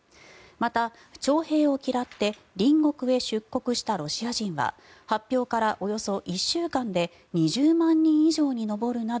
また徴兵を嫌って隣国へ出国したロシア人は発表からおよそ１週間で２０万人以上に上るなど